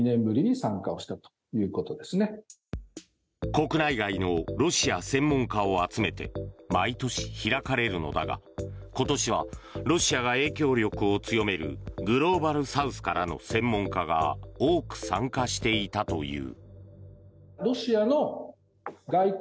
国内外のロシア専門家を集めて毎年開かれるのだが今年はロシアが影響力を強めるグローバルサウスからの専門家が多く参加していたという。